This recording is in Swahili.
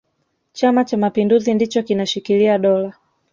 chama cha mapinduzi ndicho kinashikilia dola